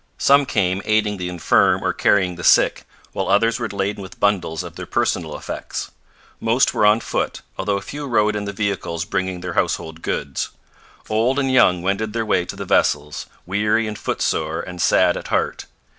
Some came aiding the infirm or carrying the sick, while others were laden with bundles of their personal effects. Most were on foot, although a few rode in the vehicles bringing their household goods. Old and young wended their way to the vessels, weary and footsore and sad at heart.